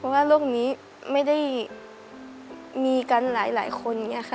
ว่าโลกนี้ไม่ได้มีกันหลายคนอย่างนี้ค่ะ